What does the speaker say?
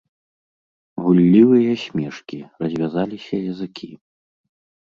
Гуллівыя смешкі, развязаліся языкі.